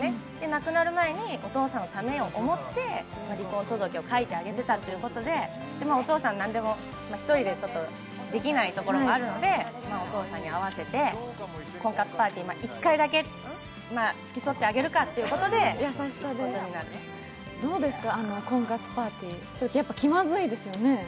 亡くなる前にお父さんのためを思って離婚届を書いてあげていたということででもお父さんは何でも１人でできないところもあるのでお父さんに合わせて婚活パーティー１回だけ付き添ってあげるかということでどうですか、婚活パーティー、気まずいですよね？